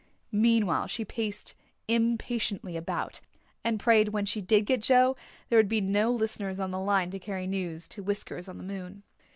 Meanwhile, she paced impatiently about, and prayed that when she did get Joe there would be no listeners on the line to carry news to Whiskers on the moon.